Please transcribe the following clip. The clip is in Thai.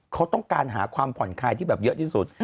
เขาต้องการหาความผ่อนคลายที่แบบเยอะที่สุด